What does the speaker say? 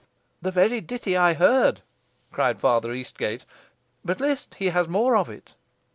"The very ditty I heard," cried Father Eastgate; "but list, he has more of it."